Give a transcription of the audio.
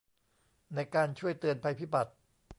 ในการช่วยเตือนภัยพิบัติ